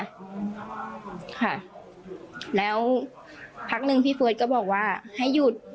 ค่ะแล้วพักหนึ่งพี่เฟิร์สก็บอกว่าให้หยุด